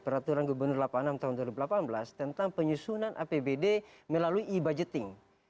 peraturan gubernur delapan puluh enam tahun dua ribu delapan belas tentang penyusunan apbd melalui e budgeting